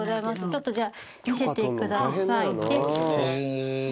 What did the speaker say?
ちょっとじゃあ見せてください。